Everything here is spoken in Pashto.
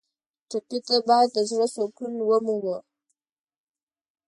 ټپي ته باید د زړه سکون ومومو.